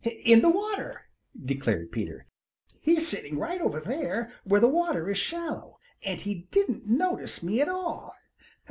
"In the water," declared Peter. "He's sitting right over there where the water is shallow, and he didn't notice me at all.